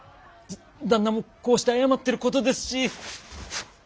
旦那もこうして謝ってることですし。